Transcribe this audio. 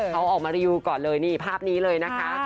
เขาออกมารีวิวก่อนเลยนี่ภาพนี้เลยนะคะ